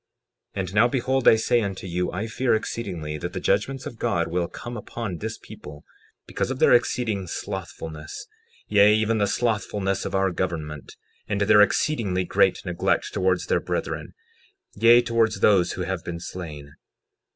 60:14 And now behold, I say unto you, I fear exceedingly that the judgments of God will come upon this people, because of their exceeding slothfulness, yea, even the slothfulness of our government, and their exceedingly great neglect towards their brethren, yea, towards those who have been slain.